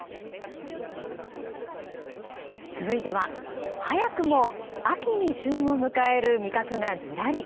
続いては、早くも秋に旬を迎える味覚がずらり。